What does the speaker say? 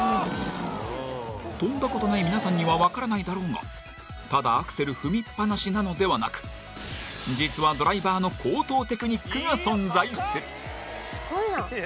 跳んだことない皆さんにはわからないだろうがただアクセル踏みっぱなしなのではなく実はドライバーの高等テクニックが存在する。